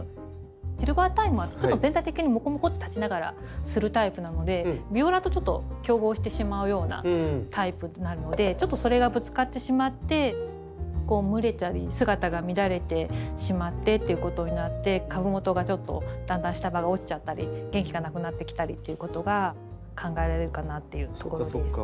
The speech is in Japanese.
シルバータイムはちょっと全体的にもこもこって立ちながらするタイプなのでビオラと競合してしまうようなタイプになるのでちょっとそれがぶつかってしまって蒸れたり姿が乱れてしまってということになって株元がちょっとだんだん下葉が落ちちゃったり元気がなくなってきたりっていうことが考えられるかなっていうところです。